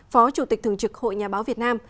phó chủ tịch thường trực hội nhà báo việt nam